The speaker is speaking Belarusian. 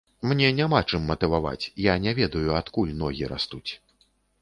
Мне няма чым матываваць, я не ведаю, адкуль ногі растуць.